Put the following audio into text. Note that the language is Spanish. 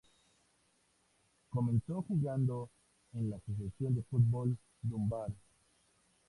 Comenzó jugando en la Asociación de fútbol Dunbar.